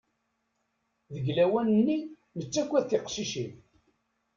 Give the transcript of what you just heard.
Deg lawan-nni, nettagad tiqcicin.